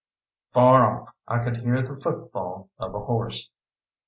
Far off I could hear the footfall of a horse.